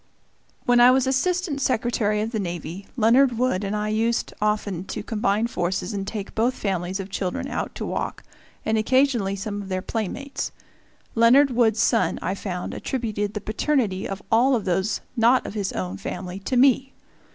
When I was Assistant Secretary of the Navy, Leonard Wood and I used often to combine forces and take both families of children out to walk, and occasionally some of their playmates. Leonard Wood's son, I found, attributed the paternity of all of those not of his own family to me.